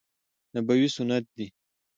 نبوي سنت دي.